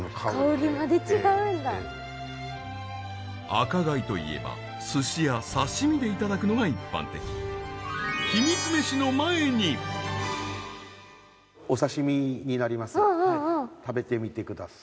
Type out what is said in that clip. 赤貝といえば寿司や刺し身でいただくのが一般的お刺し身になります食べてみてください。